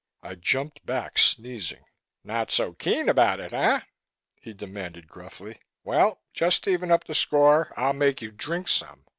I jumped back, sneezing. "Not so keen about it, eh?" he demanded gruffly. "Well, just to even up the score I'll make you drink some."